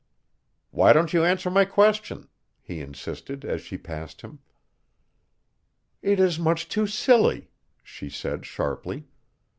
"Why don't you answer my question?" he insisted as she passed him. "It is much too silly," she said sharply.